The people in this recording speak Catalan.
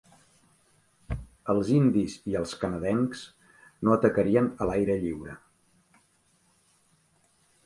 Els indis i els canadencs no atacarien a l'aire lliure.